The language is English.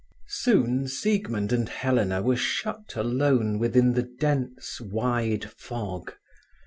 Soon Siegmund and Helena were shut alone within the dense wide fog.